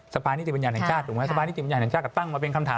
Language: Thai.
ทรภานิจิบัญญาณแห่งชาติทรภานิจิบัญญาณแห่งชาติกับฟังมาเป็นคำถาม